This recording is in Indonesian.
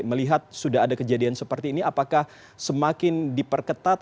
melihat sudah ada kejadian seperti ini apakah semakin diperketat